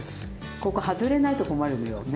ここ外れないと困るのよね。